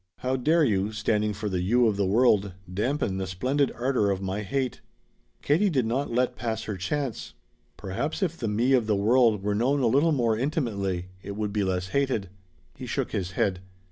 How dare you standing for the You of the world dampen the splendid ardor of my hate?" Katie did not let pass her chance. "Perhaps if the Me of the world were known a little more intimately it would be less hated." He shook his head.